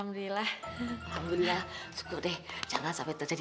hah dia dateng